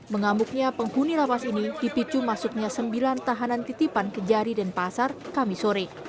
mengamuknya penghuni lapas ini dipicu masuknya sembilan tahanan titipan ke jari denpasar kami sore